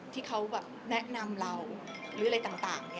ที่เขาแบบแนะนำเราหรืออะไรต่าง